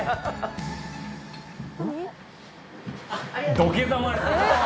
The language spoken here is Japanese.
土下座までする！